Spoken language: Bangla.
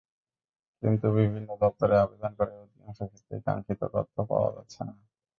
কিন্তু বিভিন্ন দপ্তরে আবেদন করে অধিকাংশ ক্ষেত্রেই কাঙ্ক্ষিত তথ্য পাওয়া যাচ্ছে না।